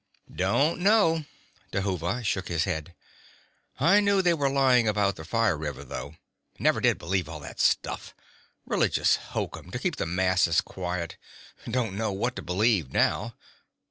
"Don't know." Dhuva shook his head. "I knew they were lying about the Fire River, though. Never did believe all that stuff. Religious hokum, to keep the masses quiet. Don't know what to believe now.